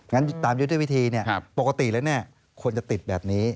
งั้นตามยุทธวิธีปกติแล้วควรจะติดแบบนี้